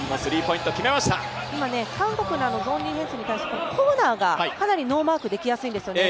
今、韓国のゾーンディフェンスに対して、コーナーがかなりノーマークできやすいんですよね。